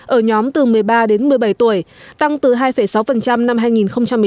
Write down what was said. ở nhóm từ một mươi ba đến một mươi bảy tuổi tăng từ hai sáu năm hai nghìn một mươi chín lên tám một năm hai nghìn hai mươi ba